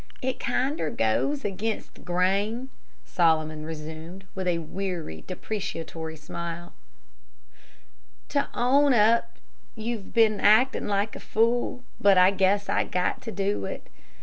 "It kinder goes agin the grain," Solomon resumed, with a weary, deprecatory smile, "to own up you've been actin' like a fool, but I guess I got to do it.